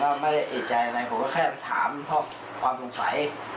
แต่ไม่ได้เอ่ยใจอะไรผมก็แค่ถามเพราะความสงสัย